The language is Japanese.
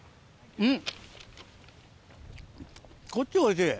うん。